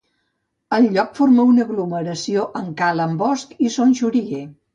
El lloc forma una aglomeració amb Cala en Bosch i Son Xoriguer.